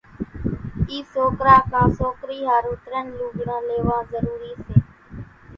اِي سوڪرا ڪان سوڪري ۿارُو ترڃ لوڳڙان ليوان ضروري سي۔